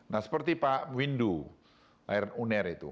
nah seperti pak windu air uner itu